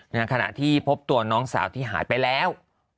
ขณะที่พบตัวน้องสาวที่หายไปแล้ว